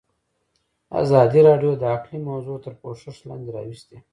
ازادي راډیو د اقلیم موضوع تر پوښښ لاندې راوستې.